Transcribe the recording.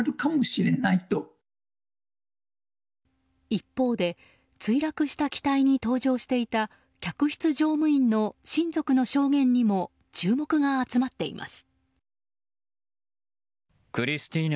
一方で墜落した機体に搭乗していた客室乗務員の親族の証言にも注目が集まっています。